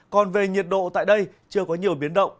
còn về nhiệt độ tại đây chưa có nhiều biến động